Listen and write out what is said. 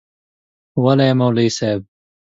وله يي مولوي صيب